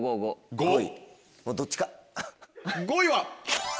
５位は。